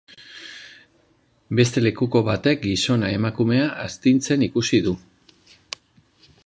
Beste lekuko batek gizona emakumea astintzen ikusi du.